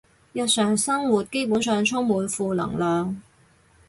日常生活基本上充滿負能量